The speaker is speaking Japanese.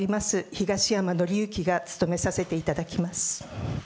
東山紀之が務めさせていただきます。